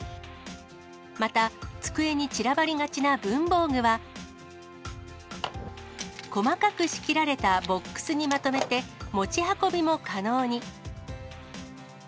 また、机に散らばりがちな文房具は、細かく仕切られたボックスにまとめて、持ち運びも可能に。